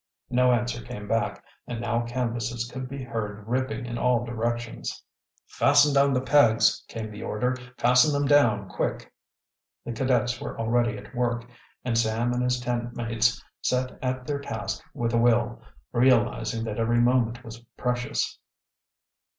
No answer came back, and now canvases could be heard ripping in all directions. "Fasten down the pegs!" came the order. "Fasten them down, quick!" The cadets were already at work, and Sam and his tent mates set at their task with a will, realizing that every moment was precious.